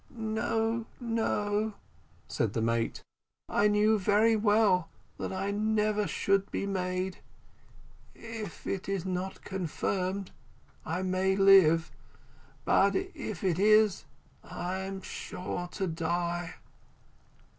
"No, no," said the mate, "I knew very well that I never should be made. If it is not confirmed, I may live; but if it is, I am sure to die."